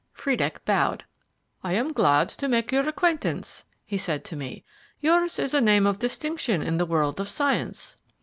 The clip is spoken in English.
Friedeck bowed. "I am glad to make your acquaintance," he said to me. "Yours is a name of distinction in the world of science."